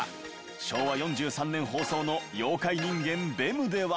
昭和４３年放送の『妖怪人間ベム』では。